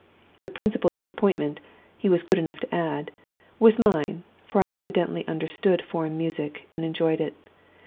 The principal disappointment, he was good enough to add, was mine, for I evidently understood foreign music, and enjoyed it.